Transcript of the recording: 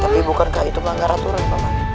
tapi bukan gak itu bangga raturan paman